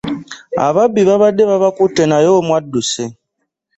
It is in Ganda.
Ababbi babadde bababkutte naye omu adduse.